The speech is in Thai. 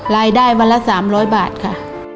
รายได้วันละ๓๐๐บาทค่ะ